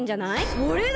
それだ！